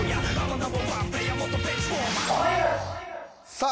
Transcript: さあ